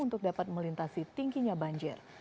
untuk dapat melintasi tingginya banjir